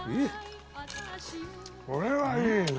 これはいいな。